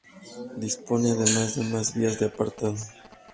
Dispone además de más vías de apartado.